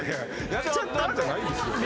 「やっちゃった」じゃないんですよ。